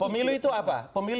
pemilih itu apa